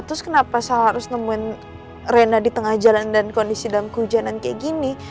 terus kenapa saya harus nemuin rena di tengah jalan dan kondisi dalam kehujanan kayak gini